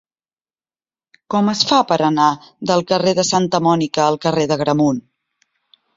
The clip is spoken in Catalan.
Com es fa per anar del carrer de Santa Mònica al carrer d'Agramunt?